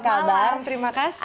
selamat malam terima kasih